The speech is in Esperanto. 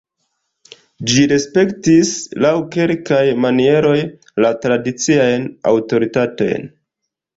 Ĝi respektis, laŭ kelkaj manieroj, la tradiciajn aŭtoritatojn.